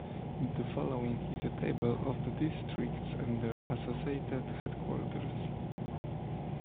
The following is a table of the districts and their associated headquarters.